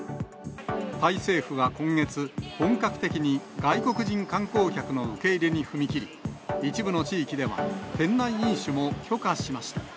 タイ政府は今月、本格的に外国人観光客の受け入れに踏み切り、一部の地域では店内飲酒も許可しました。